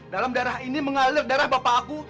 dalam darah ini mengalir darah bapak aku